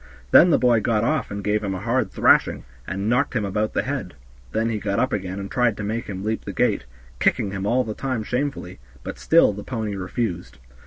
Then the boy got off and gave him a hard thrashing, and knocked him about the head; then he got up again and tried to make him leap the gate, kicking him all the time shamefully, but still the pony refused.